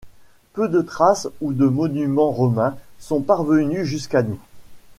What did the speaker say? Peu de traces ou de monuments romains sont parvenus jusqu'à nous.